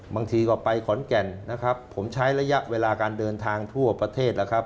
บางทีก็ไปขอนแก่นนะครับผมใช้ระยะเวลาการเดินทางทั่วประเทศแล้วครับ